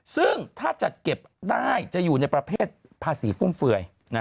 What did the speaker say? ซึ่งถ้าจัดเก็บได้จะอยู่ในประเภทภาษีฟุ่มเฟื่อย